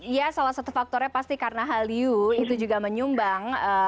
ya salah satu faktornya pasti karena hallyu itu juga menyumbang